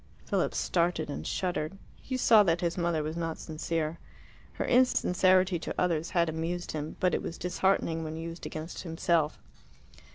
Philip started and shuddered. He saw that his mother was not sincere. Her insincerity to others had amused him, but it was disheartening when used against himself.